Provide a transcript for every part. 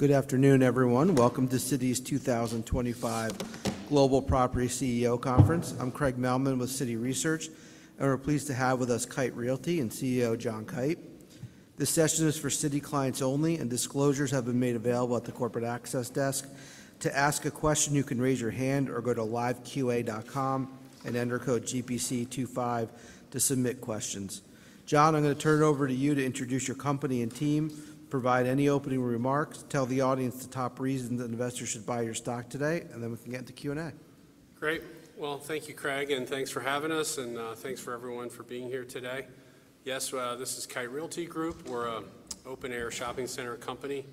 Good afternoon, everyone. Welcome to Citi 2025 Global Property CEO Conference. I'm Craig Mailman with Citi Research, and we're pleased to have with us Kite Realty Group and CEO John Kite. This session is for Citi clients only, and disclosures have been made available at the corporate access desk. To ask a question, you can raise your hand or go to live.qa.com and enter code GPC25 to submit questions. John, I'm going to turn it over to you to introduce your company and team, provide any opening remarks, tell the audience the top reasons that investors should buy your stock today, and then we can get into Q&A. Great. Well, thank you, Craig, and thanks for having us, and thanks for everyone for being here today. Yes, this is Kite Realty Group. We're an open-air shopping center company.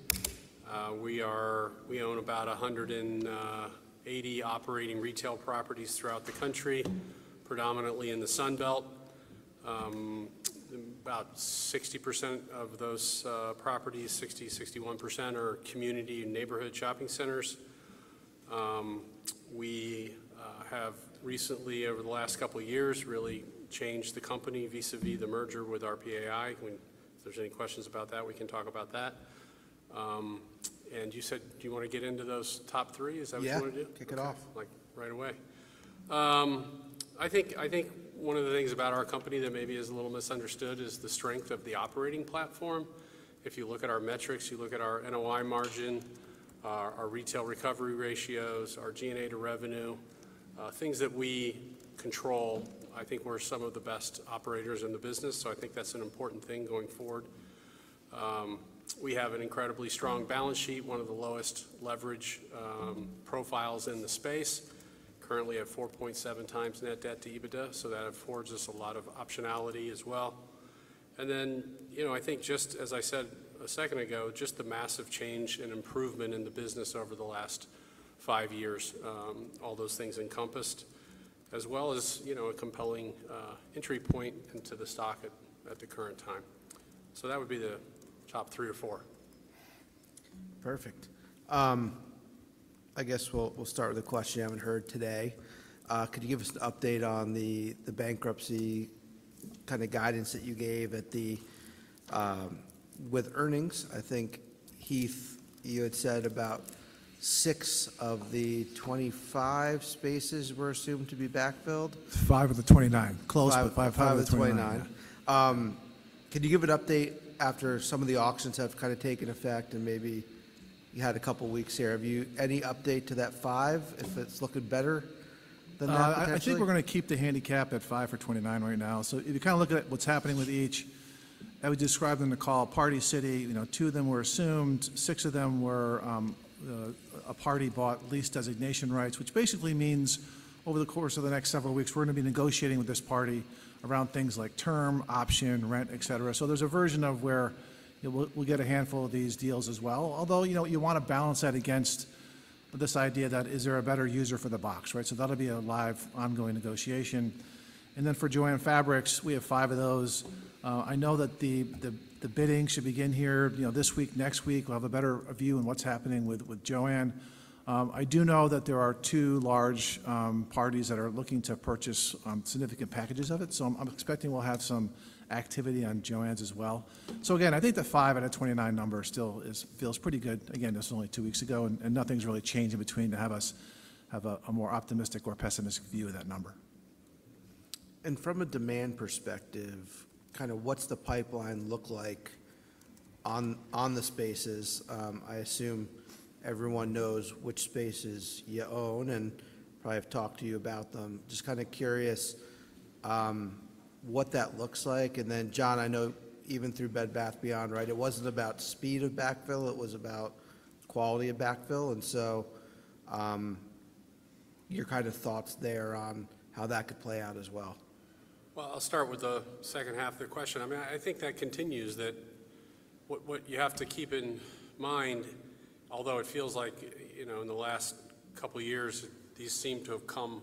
We own about 180 operating retail properties throughout the country, predominantly in the Sun Belt. About 60% of those properties, 60%, 61%, are community and neighborhood shopping centers. We have recently, over the last couple of years, really changed the company vis-à-vis the merger with RPAI. If there's any questions about that, we can talk about that. And you said, do you want to get into those top three? Is that what you want to do? Yeah, kick it off. Right away. I think one of the things about our company that maybe is a little misunderstood is the strength of the operating platform. If you look at our metrics, you look at our NOI margin, our retail recovery ratios, our G&A to revenue, things that we control, I think we're some of the best operators in the business, so I think that's an important thing going forward. We have an incredibly strong balance sheet, one of the lowest leverage profiles in the space, currently at 4.7x net debt to EBITDA, so that affords us a lot of optionality as well, and then, you know, I think just as I said a second ago, just the massive change and improvement in the business over the last five years, all those things encompassed, as well as a compelling entry point into the stock at the current time. That would be the top three or four. Perfect. I guess we'll start with a question you haven't heard today. Could you give us an update on the bankruptcy kind of guidance that you gave with earnings? I think, Heath, you had said about six of the 25 spaces were assumed to be backfilled. Five of the 29. Close to five of the 29. Five of the 29. Can you give an update after some of the auctions have kind of taken effect and maybe you had a couple of weeks here? Have you any update to that five if it's looking better than that potentially? I think we're going to keep the cap at five for 2029 right now. So if you kind of look at what's happening with each, I would describe them. For Party City, two of them were assumed. Six of them were where Party bought lease designation rights, which basically means over the course of the next several weeks, we're going to be negotiating with this party around things like term, option, rent, et cetera. So there's a version where we'll get a handful of these deals as well. Although you want to balance that against this idea that is there a better user for the box, right? So that'll be a live ongoing negotiation. Then for JOANN, we have five of those. I know that the bidding should begin here this week, next week. We'll have a better view on what's happening with JOANN. I do know that there are two large parties that are looking to purchase significant packages of it, so I'm expecting we'll have some activity on JOANN as well. So again, I think the five out of 29 number still feels pretty good. Again, this is only two weeks ago, and nothing's really changed in between to have us have a more optimistic or pessimistic view of that number. From a demand perspective, kind of what's the pipeline look like on the spaces? I assume everyone knows which spaces you own and probably have talked to you about them. Just kind of curious what that looks like. And then, John, I know even through Bed Bath & Beyond, right, it wasn't about speed of backfill, it was about quality of backfill. And so your kind of thoughts there on how that could play out as well? I'll start with the second half of the question. I mean, I think that continues that what you have to keep in mind, although it feels like in the last couple of years, these seem to have come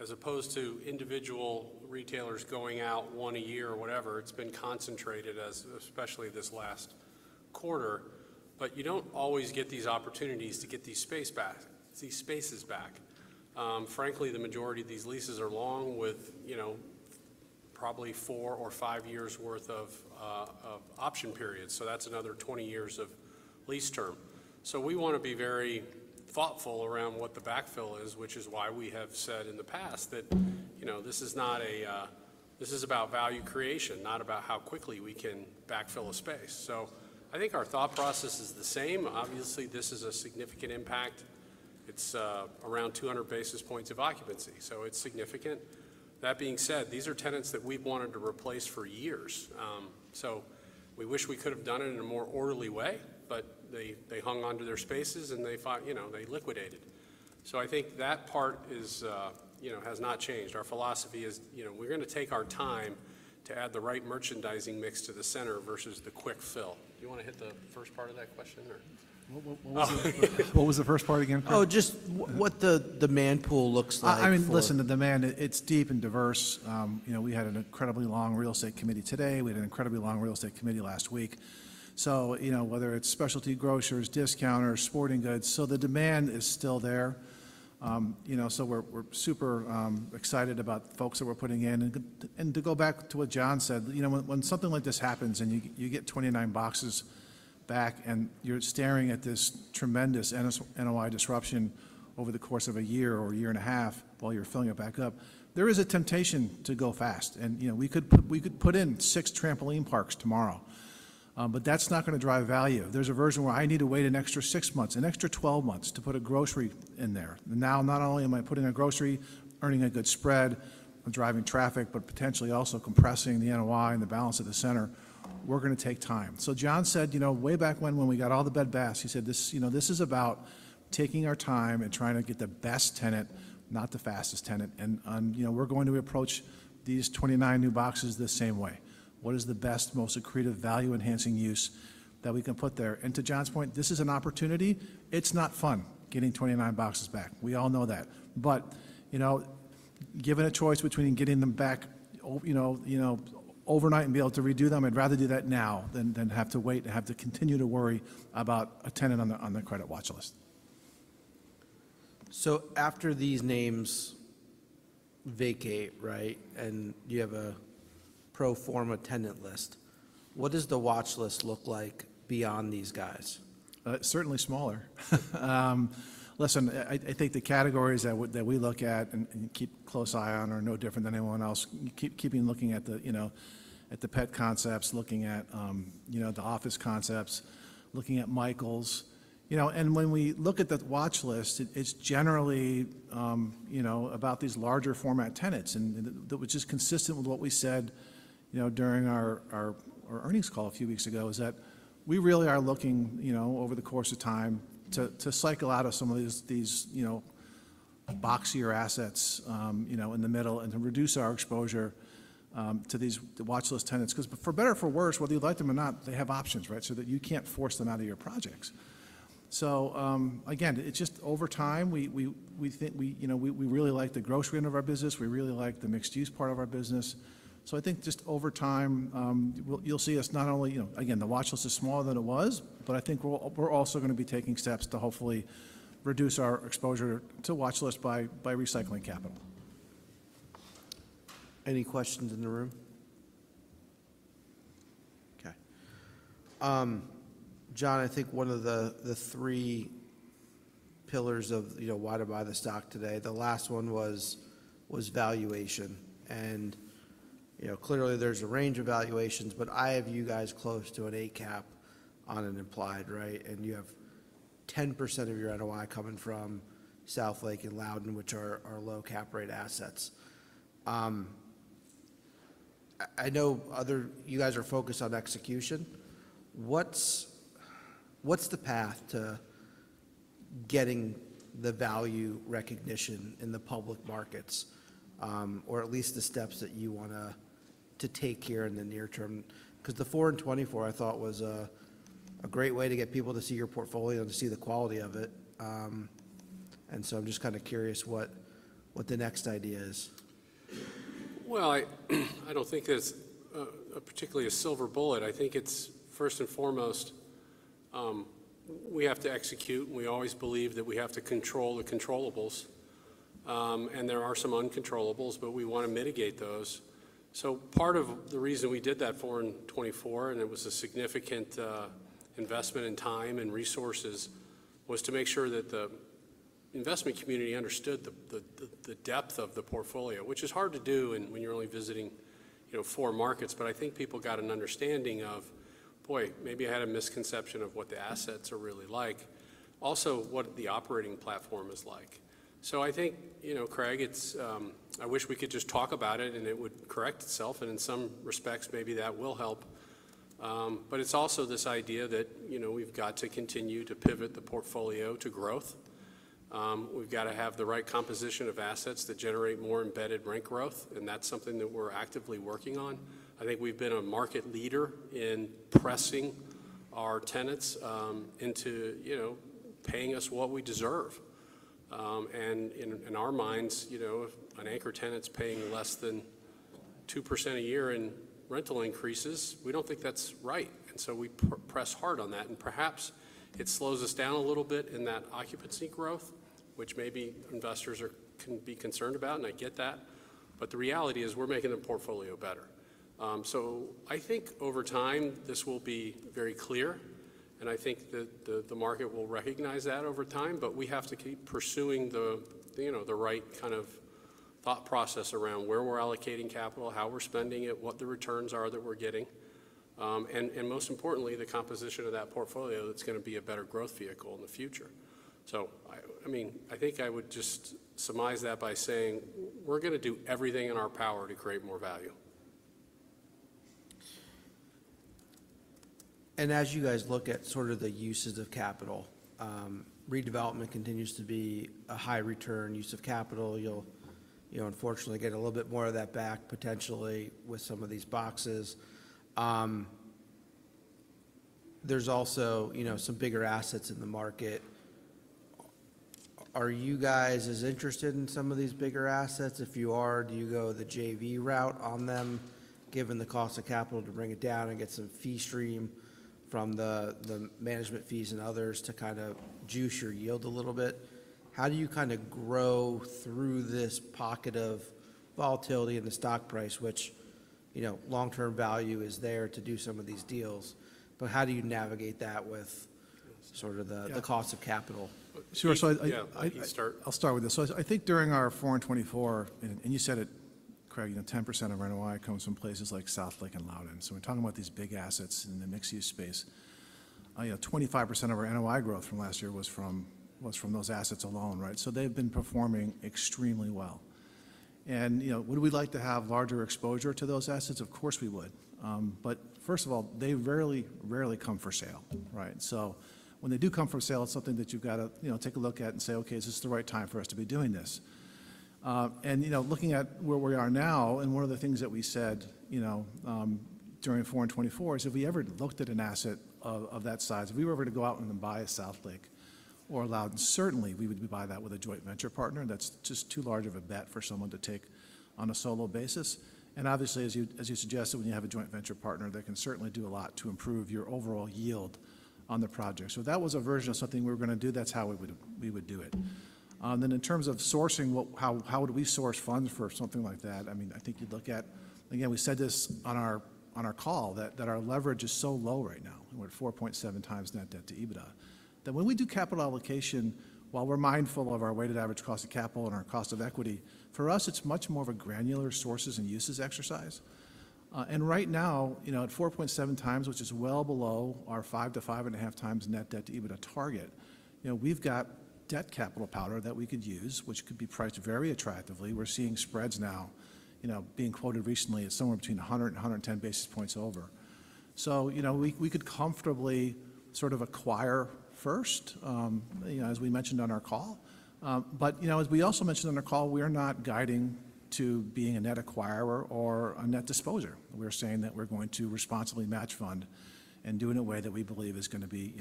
as opposed to individual retailers going out one a year or whatever. It's been concentrated, especially this last quarter. But you don't always get these opportunities to get these spaces back. Frankly, the majority of these leases are long with probably four or five years' worth of option periods. So that's another 20 years of lease term. So we want to be very thoughtful around what the backfill is, which is why we have said in the past that this is about value creation, not about how quickly we can backfill a space. So I think our thought process is the same. Obviously, this is a significant impact. It's around 200 basis points of occupancy. So it's significant. That being said, these are tenants that we've wanted to replace for years. So we wish we could have done it in a more orderly way, but they hung onto their spaces and they liquidated. So I think that part has not changed. Our philosophy is we're going to take our time to add the right merchandising mix to the center versus the quick fill. Do you want to hit the first part of that question or? What was the first part again? Oh, just what the demand pool looks like. I mean, listen, the demand, it's deep and diverse. We had an incredibly long real estate committee today. We had an incredibly long real estate committee last week. So whether it's specialty grocers, discounters, sporting goods, so the demand is still there. So we're super excited about the folks that we're putting in. And to go back to what John said, when something like this happens and you get 29 boxes back and you're staring at this tremendous NOI disruption over the course of a year or a year and a half while you're filling it back up, there is a temptation to go fast. And we could put in six trampoline parks tomorrow, but that's not going to drive value. There's a version where I need to wait an extra six months, an extra 12 months to put a grocery in there. Now, not only am I putting a grocery, earning a good spread, I'm driving traffic, but potentially also compressing the NOI and the balance of the center. We're going to take time. So John said, way back when we got all the Bed Bath & Beyond, he said, this is about taking our time and trying to get the best tenant, not the fastest tenant. And we're going to approach these 29 new boxes the same way. What is the best, most accretive value-enhancing use that we can put there? And to John's point, this is an opportunity. It's not fun getting 29 boxes back. We all know that. But given a choice between getting them back overnight and be able to redo them, I'd rather do that now than have to wait and have to continue to worry about a tenant on the credit watch list. So after these names vacate, right, and you have a pro forma tenant list, what does the watch list look like beyond these guys? Certainly smaller. Listen, I think the categories that we look at and keep a close eye on are no different than anyone else. Keep looking at the pet concepts, keep looking at the office concepts, looking at Michaels, and when we look at the watch list, it's generally about these larger format tenants, and it was just consistent with what we said during our earnings call a few weeks ago is that we really are looking over the course of time to cycle out of some of these boxier assets in the middle and to reduce our exposure to these watch list tenants. Because for better or for worse, whether you like them or not, they have options, right, so that you can't force them out of your projects. So again, it's just over time, we really like the grocery end of our business. We really like the mixed-use part of our business. So I think just over time, you'll see us not only, again, the watch list is smaller than it was, but I think we're also going to be taking steps to hopefully reduce our exposure to watch list by recycling capital. Any questions in the room? Okay. John, I think one of the three pillars of why to buy the stock today, the last one was valuation, and clearly there's a range of valuations, but I have you guys close to an eight cap on an implied, right, and you have 10% of your NOI coming from Southlake and Loudoun, which are low cap rate assets. I know you guys are focused on execution. What's the path to getting the value recognition in the public markets, or at least the steps that you want to take here in the near term? Because the 4 in 24, I thought, was a great way to get people to see your portfolio and to see the quality of it, and so I'm just kind of curious what the next idea is. I don't think there's particularly a silver bullet. I think it's first and foremost, we have to execute. We always believe that we have to control the controllables. There are some uncontrollables, but we want to mitigate those. Part of the reason we did that 4 in 24, and it was a significant investment in time and resources, was to make sure that the investment community understood the depth of the portfolio, which is hard to do when you're only visiting four markets. I think people got an understanding of, boy, maybe I had a misconception of what the assets are really like. Also, what the operating platform is like. I think, Craig, I wish we could just talk about it and it would correct itself. In some respects, maybe that will help. But it's also this idea that we've got to continue to pivot the portfolio to growth. We've got to have the right composition of assets that generate more embedded rent growth. And that's something that we're actively working on. I think we've been a market leader in pressing our tenants into paying us what we deserve. And in our minds, an anchor tenant's paying less than 2% a year in rental increases. We don't think that's right. And so we press hard on that. And perhaps it slows us down a little bit in that occupancy growth, which maybe investors can be concerned about. And I get that. But the reality is we're making the portfolio better. So I think over time, this will be very clear. And I think that the market will recognize that over time. But we have to keep pursuing the right kind of thought process around where we're allocating capital, how we're spending it, what the returns are that we're getting. And most importantly, the composition of that portfolio that's going to be a better growth vehicle in the future. So I mean, I think I would just surmise that by saying we're going to do everything in our power to create more value. And as you guys look at sort of the uses of capital, redevelopment continues to be a high return use of capital. You'll unfortunately get a little bit more of that back potentially with some of these boxes. There's also some bigger assets in the market. Are you guys as interested in some of these bigger assets? If you are, do you go the JV route on them, given the cost of capital to bring it down and get some fee stream from the management fees and others to kind of juice your yield a little bit? How do you kind of grow through this pocket of volatility in the stock price, which long-term value is there to do some of these deals? But how do you navigate that with sort of the cost of capital? Sure. So I'll start with this. So I think during our 4 in 24, and you said it, Craig, 10% of our NOI comes from places like Southlake and Loudoun. So we're talking about these big assets in the mixed-use space. 25% of our NOI growth from last year was from those assets alone, right? So they've been performing extremely well. And would we like to have larger exposure to those assets? Of course we would. But first of all, they rarely, rarely come for sale, right? So when they do come for sale, it's something that you've got to take a look at and say, okay, is this the right time for us to be doing this? And looking at where we are now, and one of the things that we said during 4 in 24 is if we ever looked at an asset of that size, if we were ever to go out and buy a Southlake or Loudoun, certainly we would buy that with a joint venture partner. That's just too large of a bet for someone to take on a solo basis. And obviously, as you suggested, when you have a joint venture partner, they can certainly do a lot to improve your overall yield on the project. So that was a version of something we were going to do. That's how we would do it. Then in terms of sourcing, how would we source funds for something like that? I mean, I think you'd look at, again, we said this on our call, that our leverage is so low right now. We're at 4.7x net debt to EBITDA. That, when we do capital allocation, while we're mindful of our weighted average cost of capital and our cost of equity, for us, it's much more of a granular sources and uses exercise. And right now, at 4.7x, which is well below our 5x to 5.5x net debt to EBITDA target, we've got debt capital powder that we could use, which could be priced very attractively. We're seeing spreads now being quoted recently at somewhere between 100 and 110 basis points over. So we could comfortably sort of acquire first, as we mentioned on our call. But as we also mentioned on our call, we are not guiding to being a net acquirer or a net disposer. We're saying that we're going to responsibly match fund and do it in a way that we believe is going to be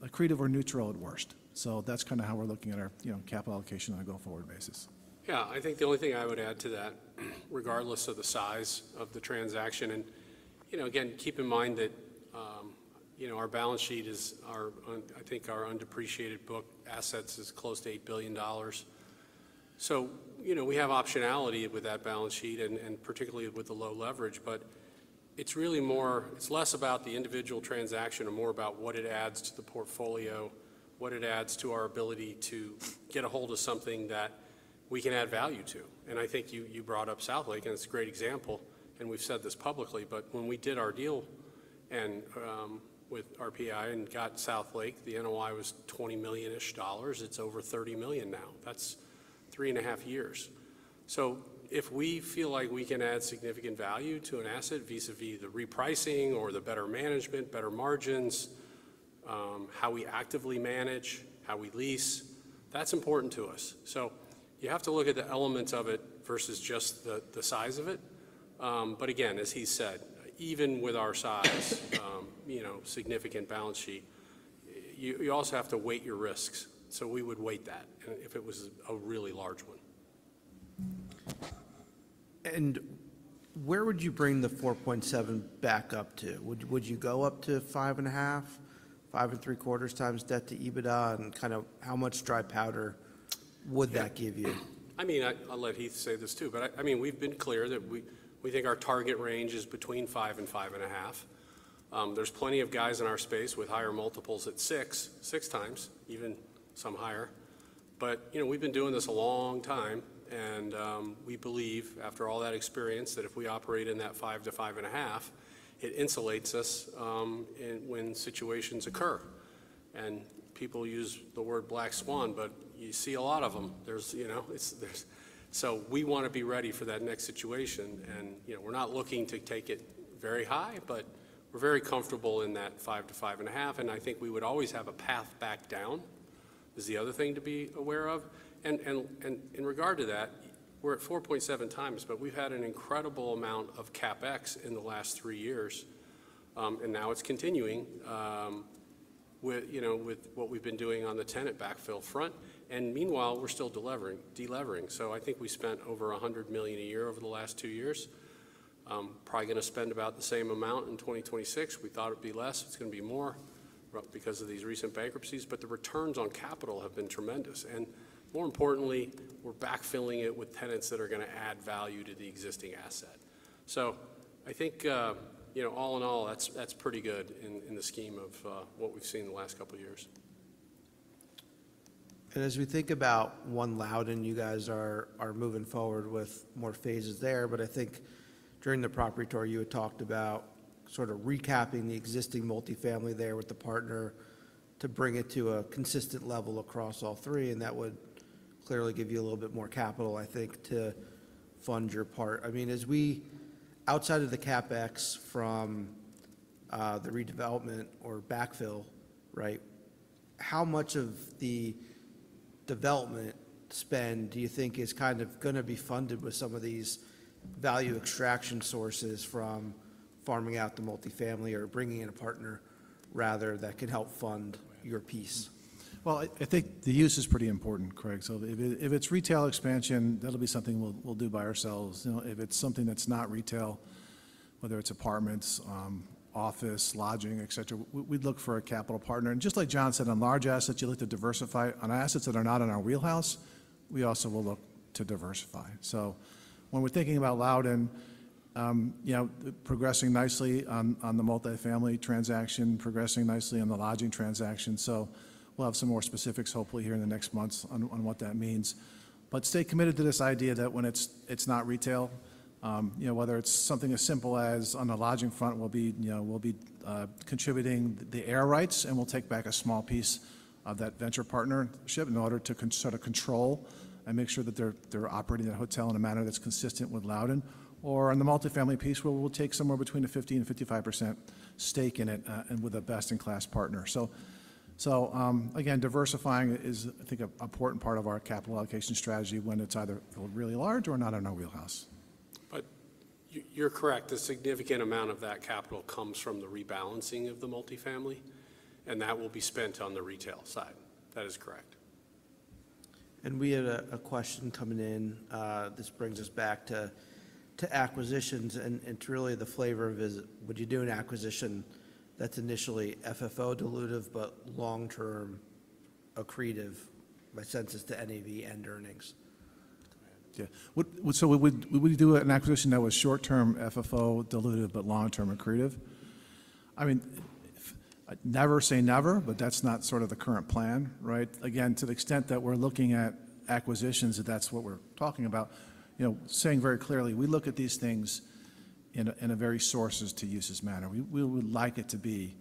accretive or neutral at worst. So that's kind of how we're looking at our capital allocation on a go forward basis. Yeah. I think the only thing I would add to that, regardless of the size of the transaction, and again, keep in mind that our balance sheet is, I think our undepreciated book assets is close to $8 billion. So we have optionality with that balance sheet and particularly with the low leverage. But it's less about the individual transaction and more about what it adds to the portfolio, what it adds to our ability to get a hold of something that we can add value to. And I think you brought up Southlake and it's a great example. And we've said this publicly. But when we did our deal with our RPAI and got Southlake, the NOI was $20 million-ish. It's over $30 million now. That's three and a half years. So if we feel like we can add significant value to an asset vis-à-vis the repricing or the better management, better margins, how we actively manage, how we lease, that's important to us. So you have to look at the elements of it versus just the size of it. But again, as he said, even with our size, significant balance sheet, you also have to weigh your risks. So we would weigh that if it was a really large one. Where would you bring the 4.7 back up to? Would you go up to 5.5, 5.75x debt to EBITDA and kind of how much dry powder would that give you? I mean, I'll let Heath say this too, but I mean, we've been clear that we think our target range is between 5x and 5.5x. There's plenty of guys in our space with higher multiples at 6x, 6x, even some higher, but we've been doing this a long time, and we believe after all that experience that if we operate in that 5x to 5.5x, it insulates us when situations occur, and people use the word black swan, but you see a lot of them, so we want to be ready for that next situation, and we're not looking to take it very high, but we're very comfortable in that 5x to 5.5x, and I think we would always have a path back down is the other thing to be aware of. And in regard to that, we're at 4.7x, but we've had an incredible amount of CapEx in the last three years. And now it's continuing with what we've been doing on the tenant backfill front. And meanwhile, we're still delivering. So I think we spent over $100 million a year over the last two years. Probably going to spend about the same amount in 2026. We thought it'd be less. It's going to be more because of these recent bankruptcies. But the returns on capital have been tremendous. And more importantly, we're backfilling it with tenants that are going to add value to the existing asset. So I think all in all, that's pretty good in the scheme of what we've seen the last couple of years. And as we think about One Loudoun, you guys are moving forward with more phases there. But I think during the property tour, you had talked about sort of recapping the existing multifamily there with the partner to bring it to a consistent level across all three. And that would clearly give you a little bit more capital, I think, to fund your part. I mean, outside of the CapEx from the redevelopment or backfill, right, how much of the development spend do you think is kind of going to be funded with some of these value extraction sources from farming out the multifamily or bringing in a partner rather than that can help fund your piece? I think the use is pretty important, Craig. So if it's retail expansion, that'll be something we'll do by ourselves. If it's something that's not retail, whether it's apartments, office, lodging, etc., we'd look for a capital partner. And just like John said, on large assets, you look to diversify. On assets that are not in our wheelhouse, we also will look to diversify. So when we're thinking about Loudoun, progressing nicely on the multifamily transaction, progressing nicely on the lodging transaction. So we'll have some more specifics hopefully here in the next months on what that means. But stay committed to this idea that when it's not retail, whether it's something as simple as on the lodging front, we'll be contributing the air rights and we'll take back a small piece of that venture partnership in order to sort of control and make sure that they're operating that hotel in a manner that's consistent with Loudoun. Or on the multifamily piece, we'll take somewhere between a 15% and 55% stake in it and with a best-in-class partner. So again, diversifying is, I think, an important part of our capital allocation strategy when it's either really large or not in our wheelhouse. But you're correct. The significant amount of that capital comes from the rebalancing of the multifamily. And that will be spent on the retail side. That is correct. We had a question coming in. This brings us back to acquisitions and to really the flavor of, would you do an acquisition that's initially FFO dilutive, but long-term accretive by sense to NAV and earnings? Yeah. So would we do an acquisition that was short-term FFO dilutive, but long-term accretive? I mean, never say never, but that's not sort of the current plan, right? Again, to the extent that we're looking at acquisitions, that's what we're talking about. Saying very clearly, we look at these things in a very sources to uses manner. We would like it to be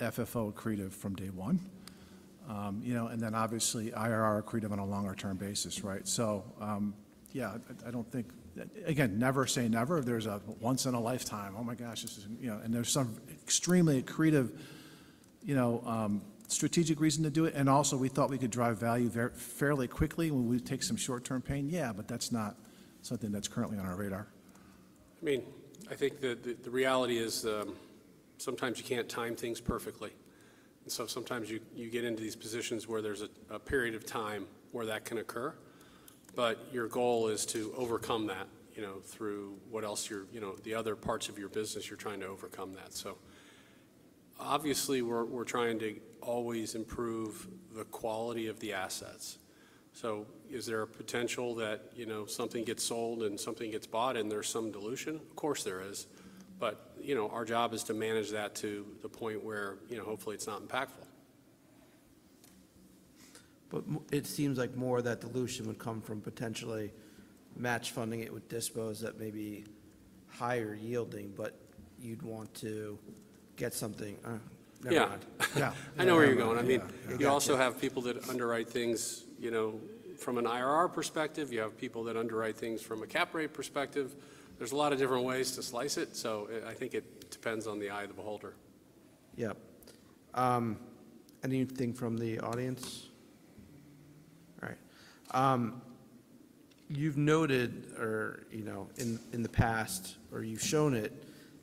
FFO accretive from day one. And then obviously IRR accretive on a longer-term basis, right? So yeah, I don't think, again, never say never. There's a once in a lifetime, oh my gosh, and there's some extremely accretive strategic reason to do it. And also we thought we could drive value fairly quickly when we take some short-term pain. Yeah, but that's not something that's currently on our radar. I mean, I think the reality is sometimes you can't time things perfectly. And so sometimes you get into these positions where there's a period of time where that can occur. But your goal is to overcome that through what else you're, the other parts of your business, you're trying to overcome that. So obviously we're trying to always improve the quality of the assets. So is there a potential that something gets sold and something gets bought and there's some dilution? Of course there is. But our job is to manage that to the point where hopefully it's not impactful. But it seems like more of that dilution would come from potentially match funding it with dispositions at maybe higher yielding, but you'd want to get something. Yeah. I know where you're going. I mean, you also have people that underwrite things from an IRR perspective. You have people that underwrite things from a cap rate perspective. There's a lot of different ways to slice it. So I think it depends on the eye of the beholder. Yep. Anything from the audience? All right. You've noted in the past, or you've shown it,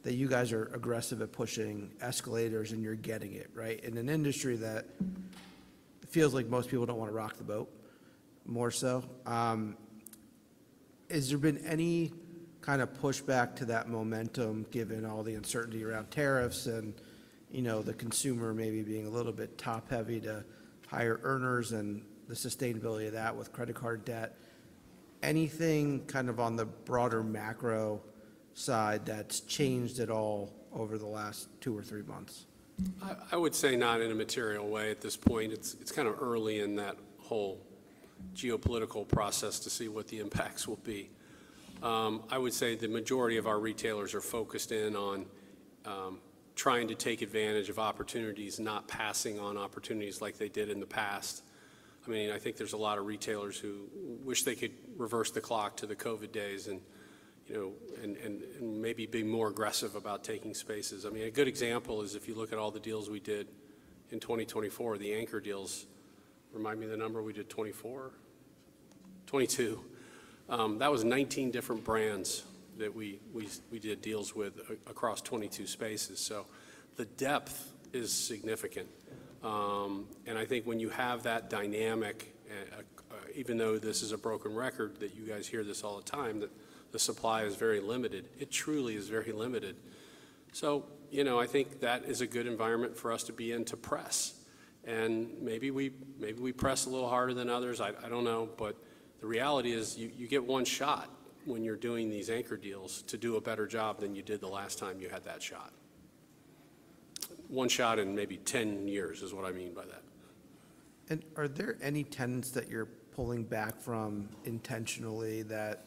that you guys are aggressive at pushing escalators and you're getting it, right? In an industry that feels like most people don't want to rock the boat more so, has there been any kind of pushback to that momentum given all the uncertainty around tariffs and the consumer maybe being a little bit top-heavy to higher earners and the sustainability of that with credit card debt? Anything kind of on the broader macro side that's changed at all over the last two or three months? I would say not in a material way at this point. It's kind of early in that whole geopolitical process to see what the impacts will be. I would say the majority of our retailers are focused in on trying to take advantage of opportunities, not passing on opportunities like they did in the past. I mean, I think there's a lot of retailers who wish they could reverse the clock to the COVID days and maybe be more aggressive about taking spaces. I mean, a good example is if you look at all the deals we did in 2024, the anchor deals, remind me the number we did 24, 22. That was 19 different brands that we did deals with across 22 spaces. So the depth is significant. I think when you have that dynamic, even though this is a broken record that you guys hear this all the time, that the supply is very limited, it truly is very limited. I think that is a good environment for us to be in to press. Maybe we press a little harder than others. I don't know. The reality is you get one shot when you're doing these anchor deals to do a better job than you did the last time you had that shot. One shot in maybe 10 years is what I mean by that. Are there any tenants that you're pulling back from intentionally that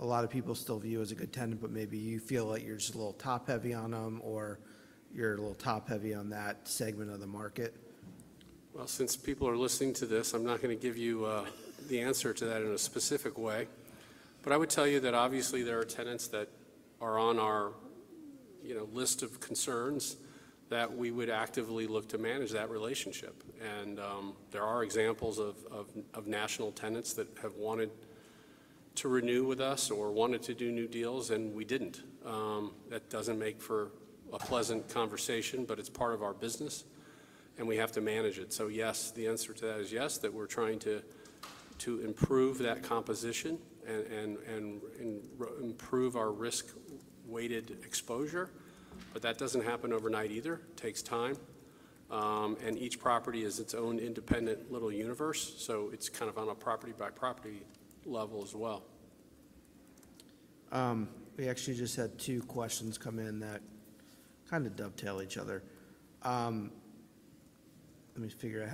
a lot of people still view as a good tenant, but maybe you feel like you're just a little top-heavy on them or you're a little top-heavy on that segment of the market? Well, since people are listening to this, I'm not going to give you the answer to that in a specific way. But I would tell you that obviously there are tenants that are on our list of concerns that we would actively look to manage that relationship. And there are examples of national tenants that have wanted to renew with us or wanted to do new deals and we didn't. That doesn't make for a pleasant conversation, but it's part of our business and we have to manage it. So yes, the answer to that is yes, that we're trying to improve that composition and improve our risk-weighted exposure. But that doesn't happen overnight either. It takes time. And each property is its own independent little universe. So it's kind of on a property-by-property level as well. We actually just had two questions come in that kind of dovetail each other. Let me figure out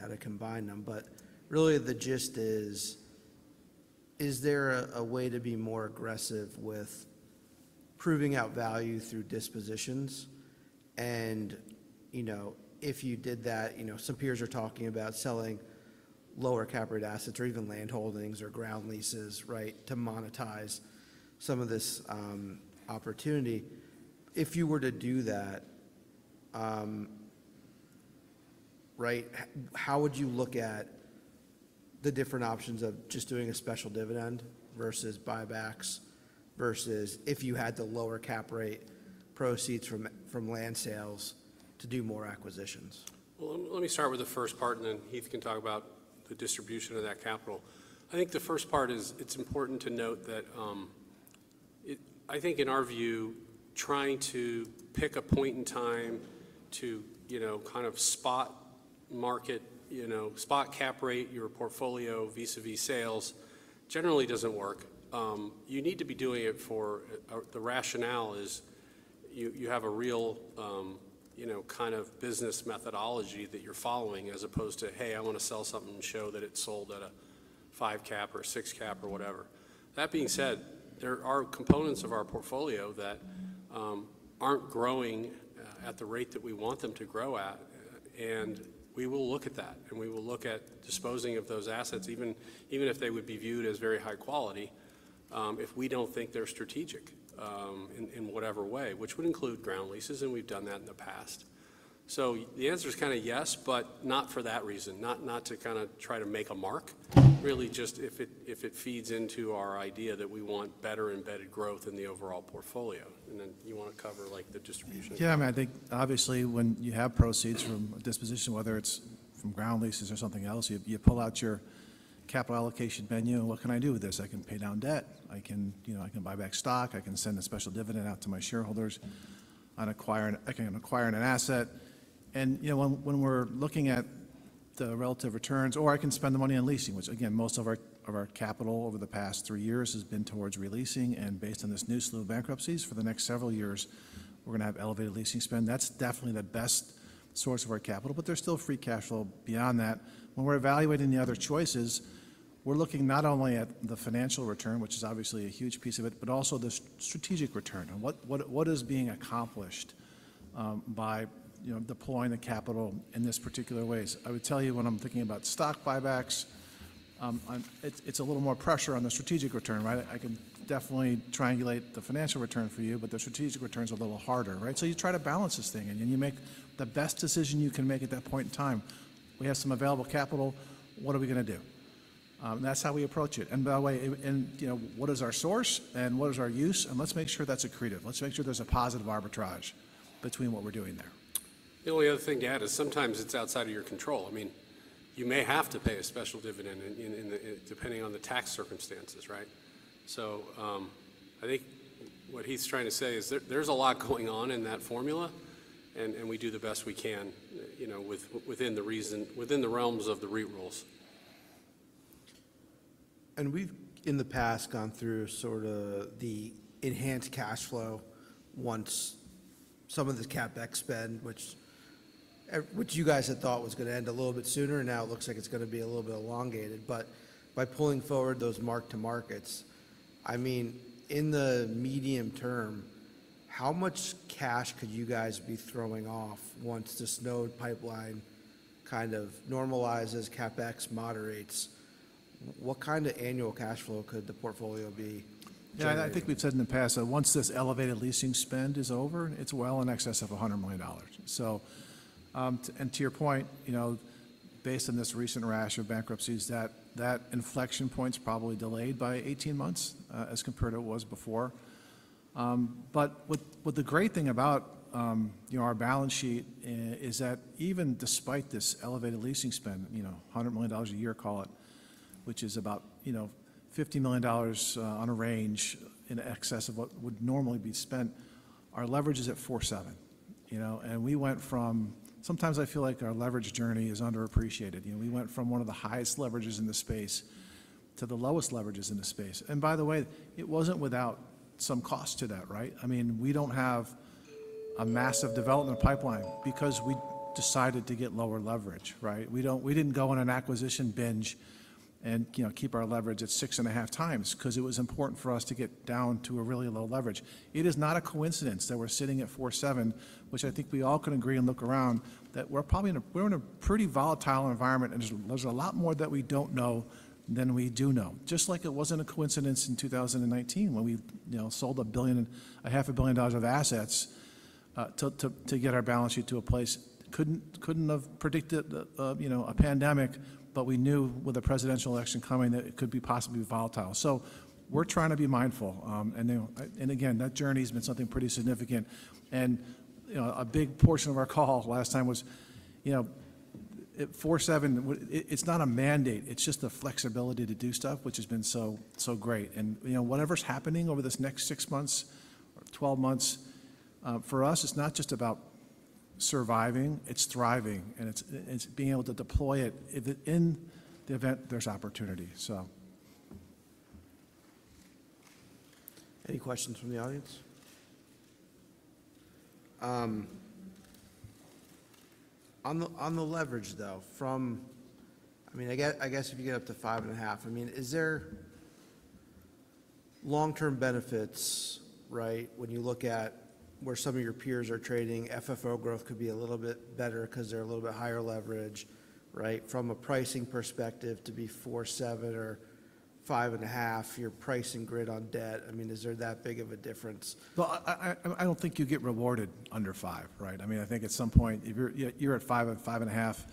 how to combine them. But really the gist is, is there a way to be more aggressive with proving out value through dispositions? And if you did that, some peers are talking about selling lower cap rate assets or even land holdings or ground leases, right, to monetize some of this opportunity. If you were to do that, right, how would you look at the different options of just doing a special dividend versus buybacks versus if you had the lower cap rate proceeds from land sales to do more acquisitions? Let me start with the first part and then Heath can talk about the distribution of that capital. I think the first part is it's important to note that I think in our view, trying to pick a point in time to kind of spot market, spot cap rate your portfolio vis-à-vis sales generally doesn't work. You need to be doing it for the rationale is you have a real kind of business methodology that you're following as opposed to, hey, I want to sell something and show that it's sold at a five cap or six cap or whatever. That being said, there are components of our portfolio that aren't growing at the rate that we want them to grow at. We will look at that. And we will look at disposing of those assets, even if they would be viewed as very high quality, if we don't think they're strategic in whatever way, which would include ground leases. And we've done that in the past. So the answer is kind of yes, but not for that reason. Not to kind of try to make a mark, really just if it feeds into our idea that we want better embedded growth in the overall portfolio. And then you want to cover like the distribution. Yeah, I mean, I think obviously when you have proceeds from a disposition, whether it's from ground leases or something else, you pull out your capital allocation menu and what can I do with this? I can pay down debt. I can buy back stock. I can send a special dividend out to my shareholders or acquiring an asset. And when we're looking at the relative returns, or I can spend the money on leasing, which again, most of our capital over the past three years has been towards leasing. And based on this new slew of bankruptcies for the next several years, we're going to have elevated leasing spend. That's definitely the best source of our capital. But there's still free cash flow beyond that. When we're evaluating the other choices, we're looking not only at the financial return, which is obviously a huge piece of it, but also the strategic return, and what is being accomplished by deploying the capital in this particular way? I would tell you when I'm thinking about stock buybacks, it's a little more pressure on the strategic return, right? I can definitely triangulate the financial return for you, but the strategic returns are a little harder, right, so you try to balance this thing, and you make the best decision you can make at that point in time. We have some available capital. What are we going to do, and that's how we approach it, and by the way, what is our source and what is our use, and let's make sure that's accretive. Let's make sure there's a positive arbitrage between what we're doing there. The only other thing to add is sometimes it's outside of your control. I mean, you may have to pay a special dividend depending on the tax circumstances, right? So I think what Heath's trying to say is there's a lot going on in that formula. And we do the best we can within reason, within the realms of the REIT rules. And we've in the past gone through sort of the enhanced cash flow once some of the CapEx spend, which you guys had thought was going to end a little bit sooner. Now it looks like it's going to be a little bit elongated. But by pulling forward those mark-to-markets, I mean, in the medium term, how much cash could you guys be throwing off once this NOI pipeline kind of normalizes, CapEx moderates? What kind of annual cash flow could the portfolio be? Yeah, I think we've said in the past that once this elevated leasing spend is over, it's well in excess of $100 million. And to your point, based on this recent rash of bankruptcies, that inflection point's probably delayed by 18 months as compared to what it was before. But the great thing about our balance sheet is that even despite this elevated leasing spend, $100 million a year call it, which is about $50 million on a range in excess of what would normally be spent, our leverage is at 4.7. And we went from sometimes I feel like our leverage journey is underappreciated. We went from one of the highest leverages in the space to the lowest leverages in the space. And by the way, it wasn't without some cost to that, right? I mean, we don't have a massive development pipeline because we decided to get lower leverage, right? We didn't go on an acquisition binge and keep our leverage at 6.5x because it was important for us to get down to a really low leverage. It is not a coincidence that we're sitting at 4.7, which I think we all can agree and look around that we're probably in a pretty volatile environment and there's a lot more that we don't know than we do know. Just like it wasn't a coincidence in 2019 when we sold $1.5 billion of assets to get our balance sheet to a place. Couldn't have predicted a pandemic, but we knew with a presidential election coming that it could be possibly volatile. So we're trying to be mindful. Again, that journey has been something pretty significant. A big portion of our call last time was at 4.7x; it's not a mandate, it's just the flexibility to do stuff, which has been so great. Whatever's happening over this next six months or 12 months, for us, it's not just about surviving, it's thriving and it's being able to deploy it in the event there's opportunity. Any questions from the audience? On the leverage though, from I mean, I guess if you get up to 5.5x, I mean, is there long-term benefits, right? When you look at where some of your peers are trading, FFO growth could be a little bit better because they're a little bit higher leverage, right? From a pricing perspective to be 4.7x or 5.5x, your pricing grid on debt, I mean, is there that big of a difference? I don't think you get rewarded under 5x, right? I mean, I think at some point if you're at 5.5x,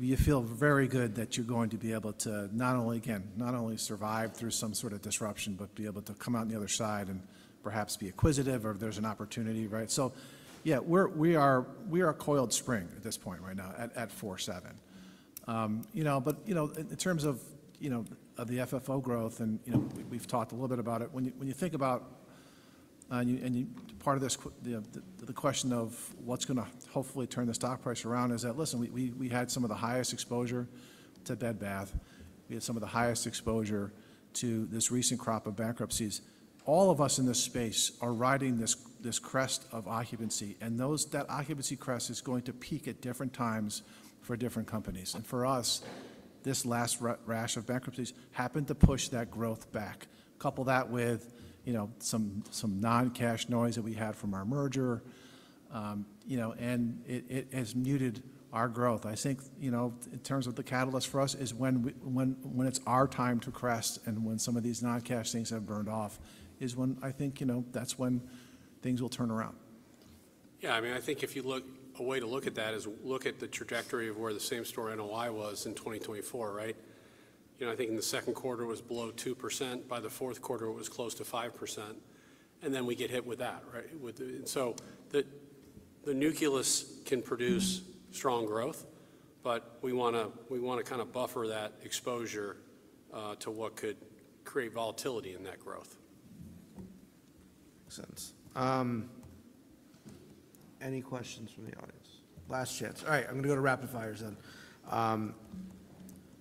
you feel very good that you're going to be able to not only, again, not only survive through some sort of disruption, but be able to come out on the other side and perhaps be acquisitive or if there's an opportunity, right? So yeah, we are a coiled spring at this point right now at 4.7x. But in terms of the FFO growth and we've talked a little bit about it. When you think about and part of the question of what's going to hopefully turn the stock price around is that, listen, we had some of the highest exposure to Bed Bath. We had some of the highest exposure to this recent crop of bankruptcies. All of us in this space are riding this crest of occupancy. And that occupancy crest is going to peak at different times for different companies. And for us, this last rash of bankruptcies happened to push that growth back. Couple that with some non-cash noise that we had from our merger. And it has muted our growth. I think in terms of the catalyst for us is when it's our time to crest and when some of these non-cash things have burned off is when I think that's when things will turn around. Yeah, I mean, I think if you look one way to look at that is look at the trajectory of where the same-store NOI in Hawaii was in 2024, right? I think in the second quarter it was below 2%. By the fourth quarter, it was close to 5%. And then we get hit with that, right, so the new leases can produce strong growth, but we want to kind of buffer that exposure to what could create volatility in that growth. Makes sense. Any questions from the audience? Last chance. All right, I'm going to go to rapid fires then.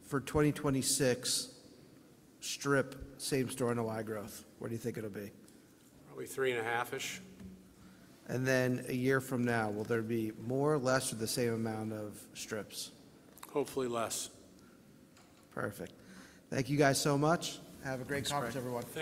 For 2026, strip, same-store NOI growth, where do you think it'll be? Probably 3.5-ish. And then a year from now, will there be more, less, or the same amount of strips? Hopefully less. Perfect. Thank you guys so much. Have a great conference, everyone.